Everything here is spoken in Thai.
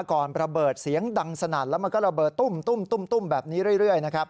ก่อนระเบิดเสียงดังสนัดแล้วมันก็ระเบิดตุ้มแบบนี้เรื่อย